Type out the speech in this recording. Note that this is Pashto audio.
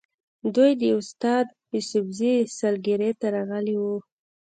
دوی د استاد یوسفزي سالګرې ته راغلي وو.